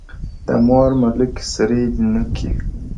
د مور ملوکي سرې دي نوکي؛